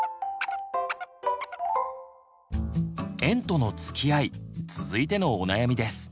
「園とのつきあい」続いてのお悩みです。